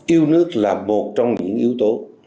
yêu nước là một trong những yếu tố